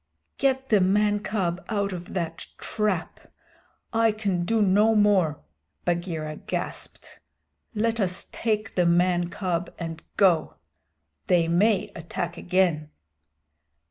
"Get the man cub out of that trap; I can do no more," Bagheera gasped. "Let us take the man cub and go. They may attack again."